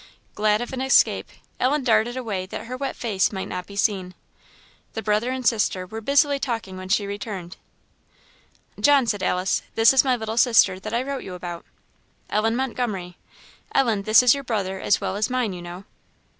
Glad of an escape, Ellen darted away that her wet face might not be seen. The brother and sister were busily talking when she returned. "John," said Alice, "this is my little sister that I wrote you about Ellen Montgomery. Ellen, this is your brother as well as mine, you know."